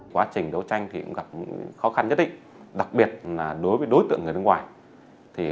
quá trình đấu tranh thì cũng gặp khó khăn nhất định đặc biệt là đối với đối tượng người nước ngoài